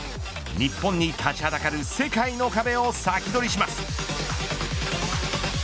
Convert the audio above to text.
日本に立ちはだかる世界の壁をサキドリします。